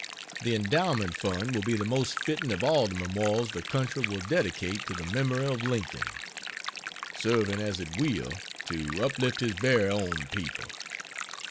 The Endowment Fund will be the most fitting of all the memorials the country will dedicate to the memory of Lincoln, serving, as it will, to uplift his very own people.